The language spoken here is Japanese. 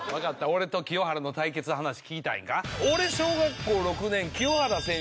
俺と清原の対決の話聞きたいんか？